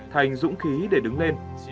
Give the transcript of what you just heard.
thành dũng khí để đứng lên